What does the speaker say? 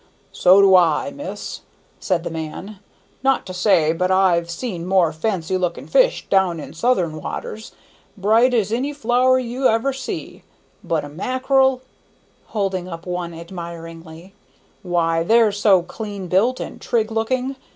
"So do I, miss," said the man, "not to say but I've seen more fancy looking fish down in southern waters, bright as any flower you ever see; but a mackerel," holding up one admiringly, "why, they're so clean built and trig looking!